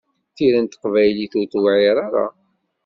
Tira n teqbaylit ur tewɛiṛ ara.